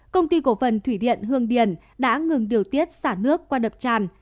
công ty cổ phần thủy điện hương điền đã ngừng điều tiết xả nước qua đập tràn